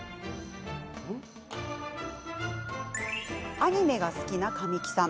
アニメが好きな神木さん